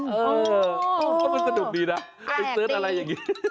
ก็เป็นสนุกดีนะเป็นเซิร์ชอะไรอย่างนี้